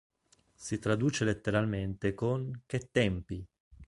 Si traduce letteralmente con "Che tempi!